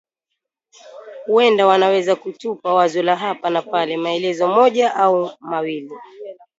Huenda wanaweza kutupa wazo la hapa na pale na maelezo moja au mawili